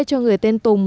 cho người tên tùng